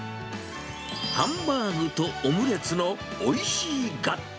ハンバーグとオムレツのおいしい合体。